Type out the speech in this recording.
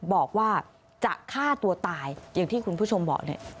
บอกว่าจะฆ่าตัวตายอย่างที่คุณผู้ชมบอกเนี่ย